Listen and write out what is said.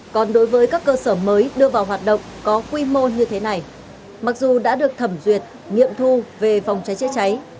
còn đối với các cơ sở mới đưa vào hoạt động có quy mô như thế này mặc dù đã được thẩm duyệt nghiệm thu về phòng cháy chữa cháy